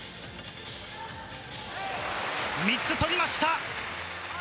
３つ取りました。